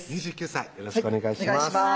２９歳よろしくお願いします